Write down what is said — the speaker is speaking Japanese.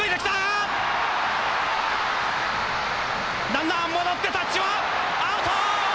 ランナー戻ってタッチはアウト！